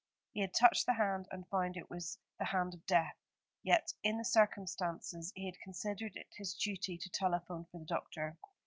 He had touched the hand, and found it was the hand of death; yet, in the circumstances, he had considered it his duty to telephone for the doctor.